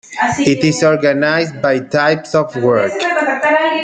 It is organized by type of work.